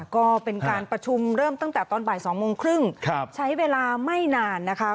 ก็เป็นการประชุมเริ่มตั้งแต่ตอนบ่าย๒โมงครึ่งใช้เวลาไม่นานนะคะ